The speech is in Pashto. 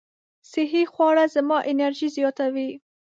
صحي خواړه زما انرژي زیاتوي.